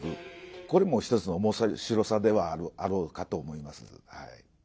これも一つの面白さではあろうかと思います。